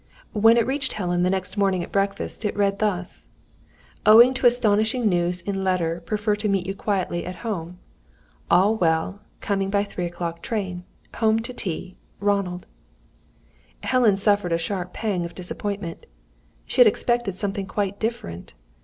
When it reached Helen, the next morning at breakfast, it read thus: Owing to astonishing news in letter prefer to meet you quietly at home. All well. Coming by 3 o'clock train. Home to tea. Ronald. Helen suffered a sharp pang of disappointment. She had expected something quite different.